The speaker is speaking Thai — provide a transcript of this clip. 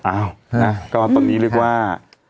อ้าวนะก็ตอนนี้เรียกว่า